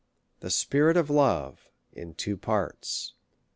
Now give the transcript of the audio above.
The Spirit of Love. In 2 Parts.